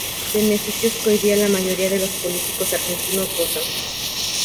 Beneficios que hoy día la mayoría de los políticos argentinos gozan.